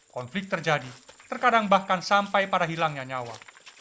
konflik terjadi terkadang bahkan sampai pada hilangnya nyawa